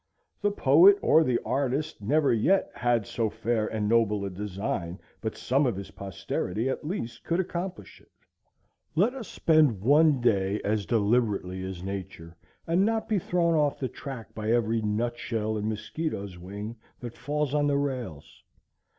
The poet or the artist never yet had so fair and noble a design but some of his posterity at least could accomplish it. Let us spend one day as deliberately as Nature, and not be thrown off the track by every nutshell and mosquito's wing that falls on the rails.